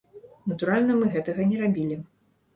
Натуральна мы гэтага не рабілі.